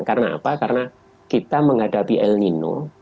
karena apa karena kita menghadapi el nino